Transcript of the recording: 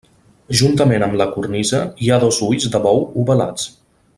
Juntament amb la cornisa hi ha dos ulls de bou ovalats.